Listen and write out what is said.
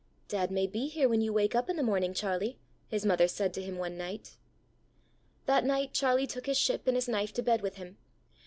'Dad may be here when you wake up in the morning, Charlie!' his mother said to him one night. That night Charlie took his ship and his knife to bed with him.